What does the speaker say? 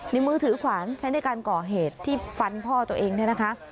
มือถือขวานใช้ในการก่อเหตุที่ฟันพ่อตัวเองเนี่ยนะคะ